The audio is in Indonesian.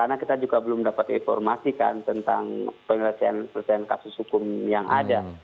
karena kita juga belum dapat informasikan tentang penyelesaian kasus hukum yang ada